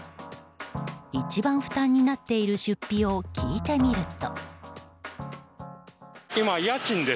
一番負担になっている出費を聞いてみると。